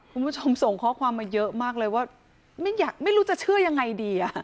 คุณผู้ชมส่งข้อความมาเยอะมากเลยว่าไม่รู้จะเชื่อยังไงดีอ่ะ